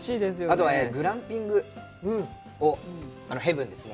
あとグランピング、ヘブンですね。